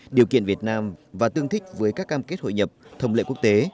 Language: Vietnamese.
điều kiện việt nam và tương thích với các cam kết hội nhập thông lệ quốc tế